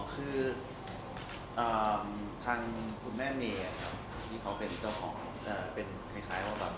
คือทางคุณแม่เมย์ที่เขาเป็นเจ้าของเป็นคุณสวทธิ์ของพี่นี่